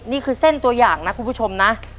นี่คือเส้นตัวอย่างนะคุณผู้ชมนะ